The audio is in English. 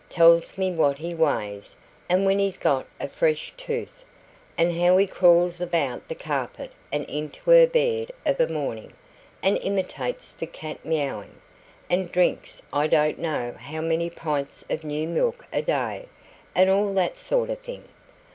Tells me what he weighs, and when he's got a fresh tooth, and how he crawls about the carpet and into her bed of a morning, and imitates the cat mewing, and drinks I don't know how many pints of new milk a day, and all that sort of thing.